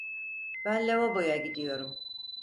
Ben lavaboya gidiyorum.